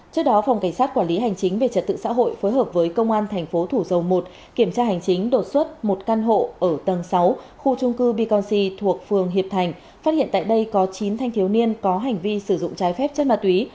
trước đó phòng cảnh sát quản lý hành chính về trật tự xã hội phối hợp với công an thành phố thủ dầu một kiểm tra hành chính đột xuất một căn hộ ở tầng sáu khu trung cư be conc thuộc phường hiệp thành phát hiện tại đây có chín thanh thiếu niên có hành vi sử dụng trái phép chất ma túy